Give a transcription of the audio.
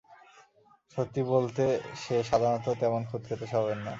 সত্যি বলতে, সে সাধারণত তেমন খুঁতখুঁতে স্বভাবের না।